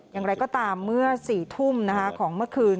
อย่างไรก็ตามเมื่อ๔ทุ่มของเมื่อคืน